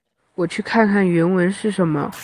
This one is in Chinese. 我去看看原文是什么。